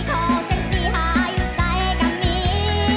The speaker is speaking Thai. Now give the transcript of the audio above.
ขอแก่สีหาอยู่ใส่กะมีย์